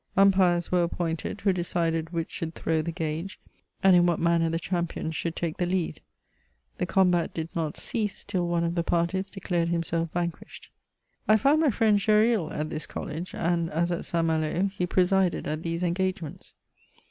Umpires were appomted who decided which should throw the gage, and in what manner the champions should take the lead. The oomhat did not cease till one of the parties declared himself vanquished. I found my friend Gesril at this college, and, as at St. Malo, he presided at these engagements.